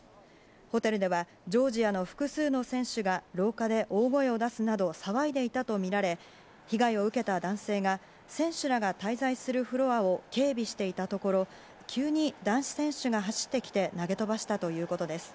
ホテルではジョージアの複数の選手が廊下で大声を出すなど騒いでいたとみられ被害を受けた男性が選手らが滞在するフロアを警備していたところ急に男子選手が走ってきて投げ飛ばしたということです。